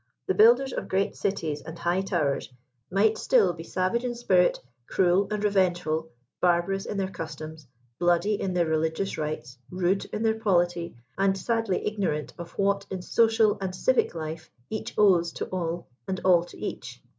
The build ers of great cities and high towers might still be savage in ; 139 spirit, cruel and revengeful, barbarous in their customs, bloody in their religious rites, rude in their polity, and sadly ignorant of what in social and civic life each owes to all and all to each.